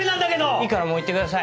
いいからもう行ってください。